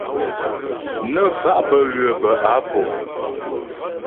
Nə́ fa' bə́ ywə̌ bə́ á púŋ.